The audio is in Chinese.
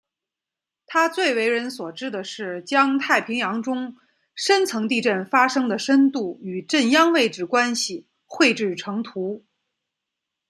他最为人所知的是将太平洋中深层地震发生的深度与震央位置关系绘制成图。